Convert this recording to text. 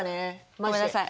ごめんなさい。